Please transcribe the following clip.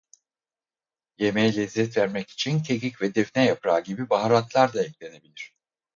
Yemeğe lezzet vermek için kekik ve defne yaprağı gibi baharatlar da eklenebilir.